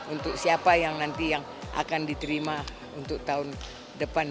untuk siapa yang nanti yang akan diterima untuk tahun depan